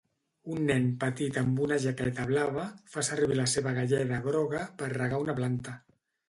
Un nen petit amb una jaqueta blava fa servir la seva galleda groga per regar una planta.